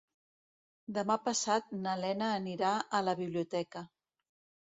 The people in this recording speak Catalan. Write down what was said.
Demà passat na Lena anirà a la biblioteca.